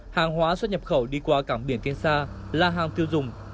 hàng hóa xuất nhập khẩu đi qua cảng biển kiên sa là hàng tiêu dùng